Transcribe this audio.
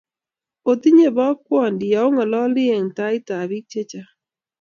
otinye bokwondi yeong'ololi eng taitab biik chechang